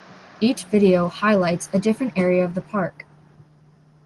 Each video highlights a different area of the park.